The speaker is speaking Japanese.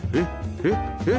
えっ？えっ？